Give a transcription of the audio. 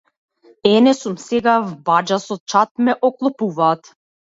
Ене сум сега в баџа со чад ме оклопуваат.